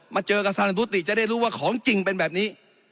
เจอกับสารพุติจะได้รู้ว่าของจริงเป็นแบบนี้